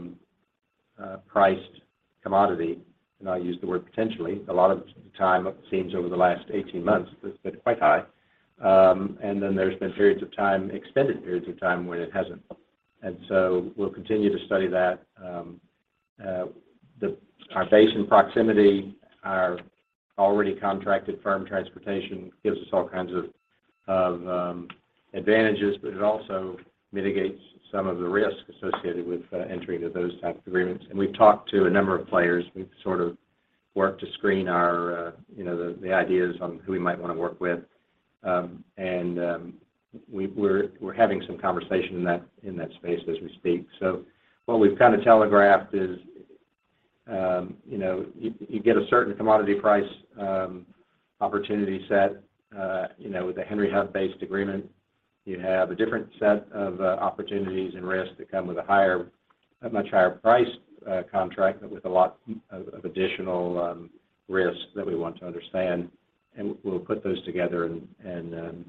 priced commodity. I use the word potentially. A lot of the time it seems over the last 18 months it's been quite high. There's been periods of time, extended periods of time when it hasn't. We'll continue to study that. Our basin proximity, our already contracted firm transportation gives us all kinds of advantages, but it also mitigates some of the risk associated with entering into those type of agreements. We've talked to a number of players. We've sort of worked to screen our, you know, the ideas on who we might wanna work with. We're having some conversation in that, in that space as we speak. What we've kind of telegraphed is, you know, you get a certain commodity price, opportunity set, you know, with a Henry Hub-based agreement. You have a different set of opportunities and risks that come with a higher, a much higher priced contract, but with a lot of additional risks that we want to understand, and we'll put those together and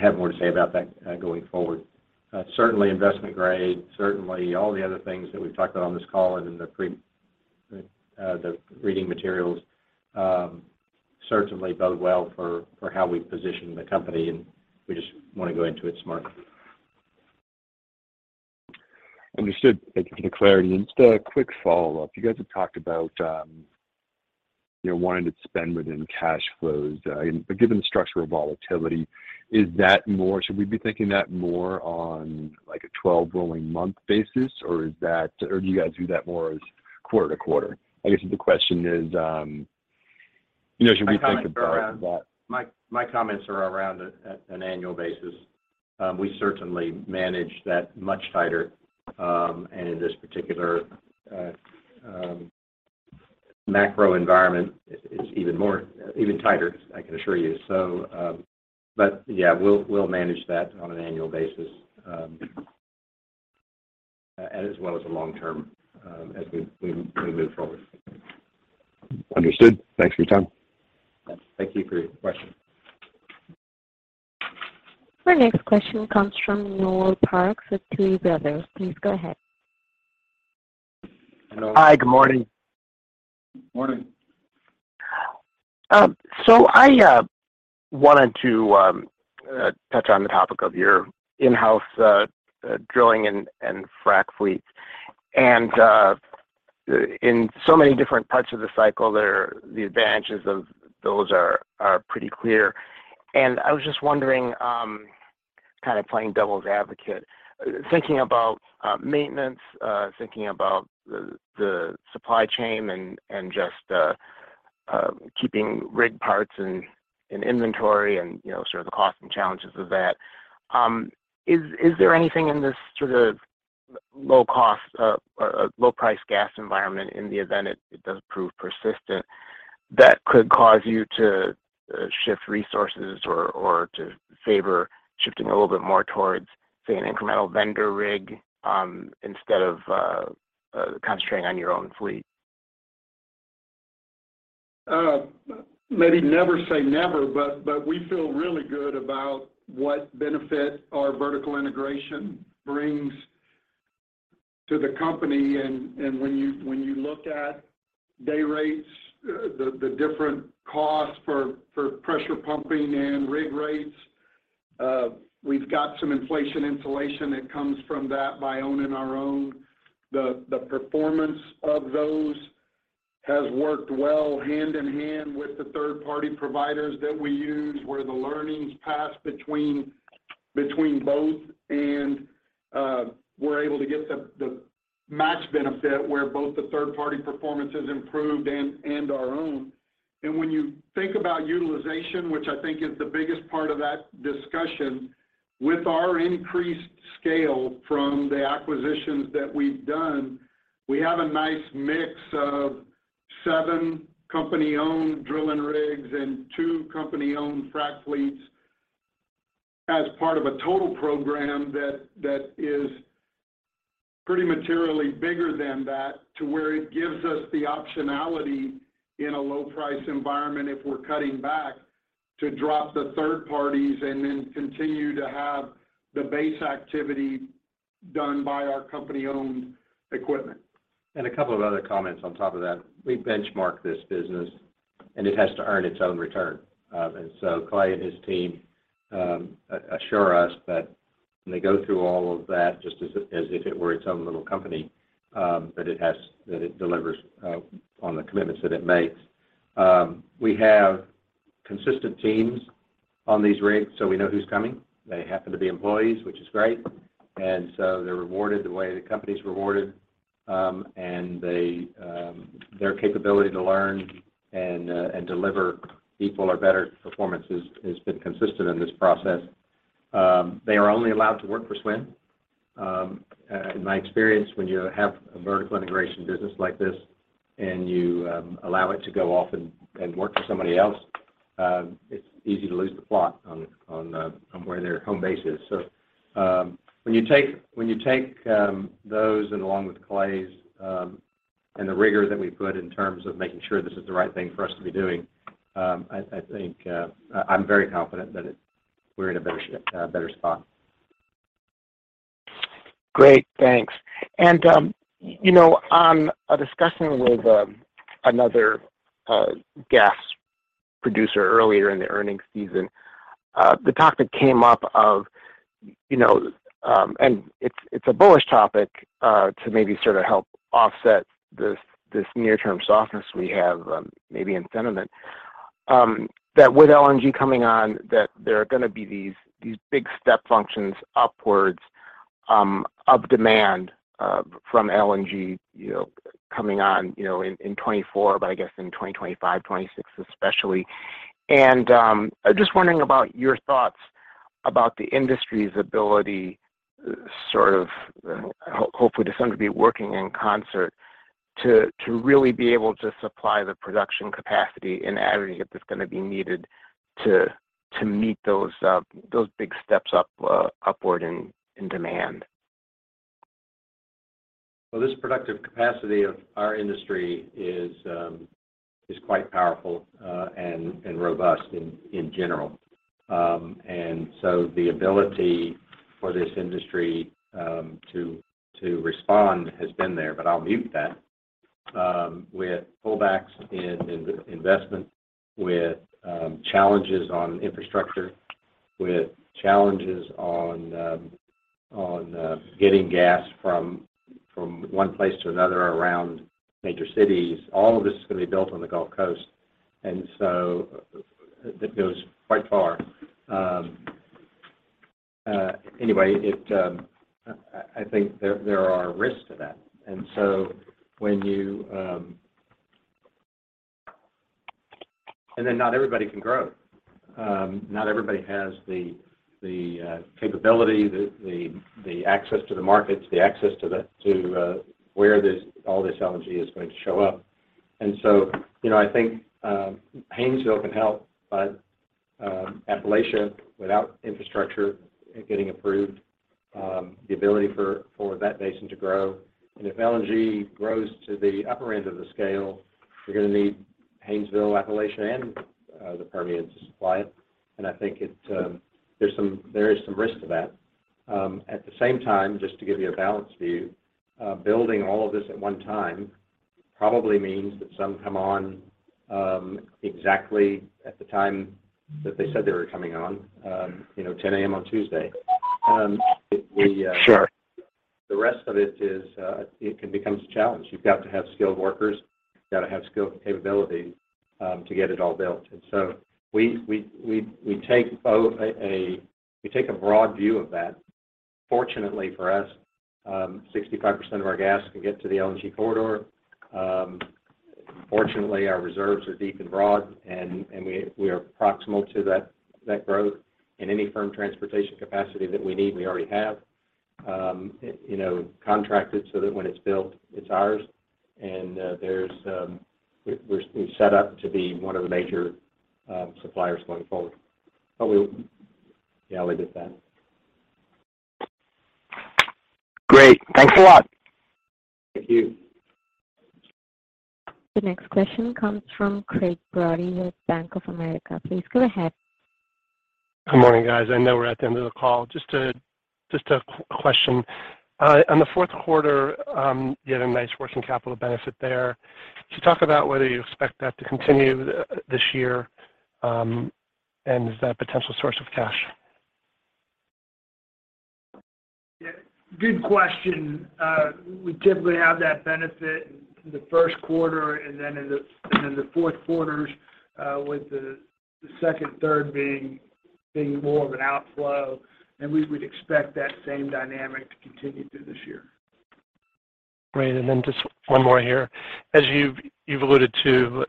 have more to say about that going forward. Certainly investment grade, certainly all the other things that we've talked about on this call and in the pre, the reading materials, certainly bode well for how we position the company, and we just wanna go into it smartly. Understood. Thank you for the clarity. Just a quick follow-up. You guys have talked about, you know, wanting to spend within cash flows. Given the structure of volatility, is that more, should we be thinking that more on, like, a 12 rolling month basis, or do you guys do that more as quarter to quarter? I guess the question is, you know, should we think about that? My comments are around an annual basis. We certainly manage that much tighter, and in this particular macro environment it's even tighter, I can assure you. We'll manage that on an annual basis, as well as the long term, as we move forward. Understood. Thanks for your time. Thank you for your question. Our next question comes from Noel Parks of Tuohy Brothers. Please go ahead. Hello. Hi. Good morning. Morning. I wanted to touch on the topic of your in-house drilling and frac fleets. In so many different parts of the cycle the advantages of those are pretty clear. I was just wondering, kind of playing devil's advocate, thinking about maintenance, thinking about the supply chain and just keeping rig parts in inventory and, you know, sort of the cost and challenges of that. Is there anything in this sort of low cost, low price gas environment in the event it does prove persistent that could cause you to shift resources or to favor shifting a little bit more towards, say, an incremental vendor rig, instead of concentrating on your own fleet? Maybe never say never, but we feel really good about what benefit our vertical integration brings to the company. When you look at day rates, the different costs for pressure pumping and rig rates, we've got some inflation insulation that comes from that by owning our own. The performance of those has worked well hand in hand with the third party providers that we use, where the learnings pass between both and we're able to get the match benefit where both the third party performance has improved and our own. When you think about utilization, which I think is the biggest part of that discussion, with our increased scale from the acquisitions that we've done, we have a nice mix of seven company-owned drilling rigs and two company-owned frac fleets as part of a total program that is pretty materially bigger than that to where it gives us the optionality in a low price environment if we're cutting back to drop the third parties and then continue to have the base activity done by our company-owned equipment. A couple of other comments on top of that. We benchmark this business, and it has to earn its own return. Clay and his team assure us that when they go through all of that, just as if it were its own little company, that it has, that it delivers on the commitments that it makes. We have consistent teams on these rigs, so we know who's coming. They happen to be employees, which is great, and so they're rewarded the way the company's rewarded. They, their capability to learn and deliver equal or better performance has been consistent in this process. They are only allowed to work for SWN. In my experience, when you have a vertical integration business like this and you allow it to go off and work for somebody else, it's easy to lose the plot on where their home base is. When you take those and along with Clay's, and the rigor that we put in terms of making sure this is the right thing for us to be doing, I think, I'm very confident that we're in a better spot. Great. Thanks. You know, on a discussion with another gas producer earlier in the earnings season, the topic came up of, you know, and it's a bullish topic, to maybe sort of help offset this near-term softness we have, maybe in sentiment, that with LNG coming on, that there are gonna be these big step functions upwards, of demand, from LNG, you know, coming on, you know, in 2024, but I guess in 2025, 2026 especially. Just wondering about your thoughts about the industry's ability sort of hopefully to some degree working in concert to really be able to supply the production capacity in aggregate that's gonna be needed to meet those big steps up, upward in demand. Well, this productive capacity of our industry is quite powerful and robust in general. The ability for this industry to respond has been there, but I'll mute that. With pullbacks in investment, with challenges on infrastructure, with challenges on getting gas from one place to another around major cities, all of this is gonna be built on the Gulf Coast. That goes quite far. Anyway, I think there are risks to that. Then not everybody can grow. Not everybody has the capability, the access to the markets, the access to the, where this, all this LNG is going to show up. You know, I think, Haynesville can help, but Appalachia, without infrastructure getting approved, the ability for that basin to grow. If LNG grows to the upper end of the scale, we're gonna need Haynesville, Appalachia, and the Permian to supply it. I think it, there is some risk to that. At the same time, just to give you a balanced view, building all of this at one time probably means that some come on exactly at the time that they said they were coming on, you know, 10:00 A.M. on Tuesday. We. Sure. The rest of it is, it can becomes a challenge. You've got to have skilled workers. You've got to have skill capability to get it all built. We take a broad view of that. Fortunately for us, 65% of our gas can get to the LNG corridor. Fortunately, our reserves are deep and broad, and we are proximal to that growth. Any firm transportation capacity that we need, we already have, you know, contracted so that when it's built, it's ours. We're set up to be one of the major suppliers going forward. Yeah, we'll leave it at that. Great. Thanks a lot. Thank you. The next question comes from Craig Brody with Bank of America. Please go ahead. Good morning, guys. I know we're at the end of the call. Just a question. On the fourth quarter, you had a nice working capital benefit there. Could you talk about whether you expect that to continue this year? Is that a potential source of cash? Yeah. Good question. We typically have that benefit in the first quarter and then in the fourth quarters, with the second, third being more of an outflow. We would expect that same dynamic to continue through this year. Great. Just one more here. As you've alluded to,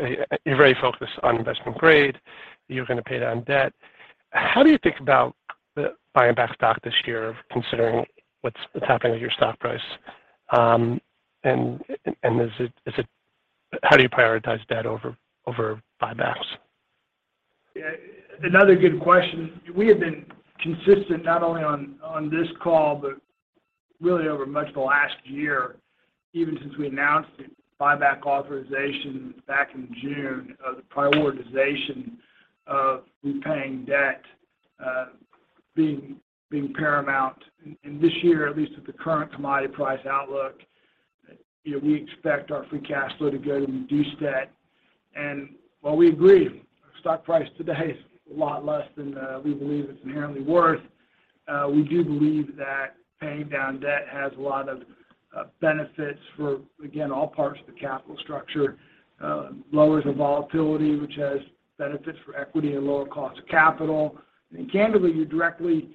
you're very focused on investment grade. You're gonna pay down debt. How do you think about the buying back stock this year, considering what's happening with your stock price? How do you prioritize debt over buybacks? Yeah. Another good question. We have been consistent, not only on this call, but really over much of the last year, even since we announced the buyback authorization back in June of the prioritization of repaying debt, being paramount. This year, at least with the current commodity price outlook, you know, we expect our free cash flow to go to reduce debt. While we agree, our stock price today is a lot less than we believe it's inherently worth, we do believe that paying down debt has a lot of benefits for, again, all parts of the capital structure. Lowers the volatility, which has benefits for equity and lower cost of capital. Candidly, you're directly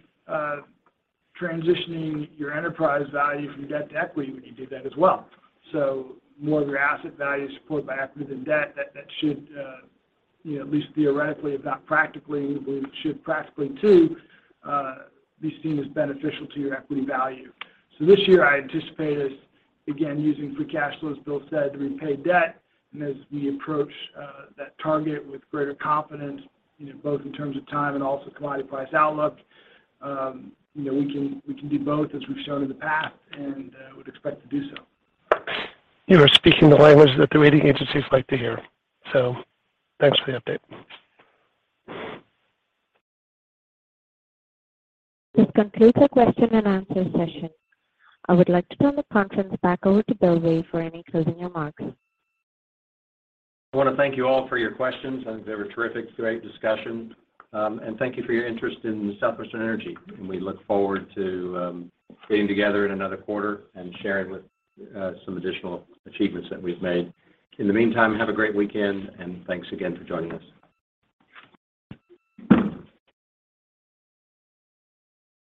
transitioning your enterprise value from debt to equity when you do that as well. More of your asset value is supported by equity than debt, that should, you know, at least theoretically, if not practically, we believe it should practically too, be seen as beneficial to your equity value. This year, I anticipate us again using free cash flow, as Bill said, to repay debt. As we approach that target with greater confidence, you know, both in terms of time and also commodity price outlook, you know, we can do both as we've shown in the past and would expect to do so. You are speaking the language that the rating agencies like to hear. Thanks for the update. This concludes our question and answer session. I would like to turn the conference back over to Bill Way for any closing remarks. I wanna thank you all for your questions. I think they were terrific. Great discussion. Thank you for your interest in Southwestern Energy, and we look forward to getting together in another quarter and sharing with some additional achievements that we've made. In the meantime, have a great weekend, and thanks again for joining us.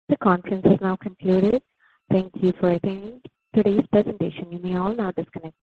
The conference has now concluded. Thank you for attending today's presentation. You may all now disconnect.